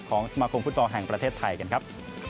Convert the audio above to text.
สมาคมฟุตบอลแห่งประเทศไทยกันครับ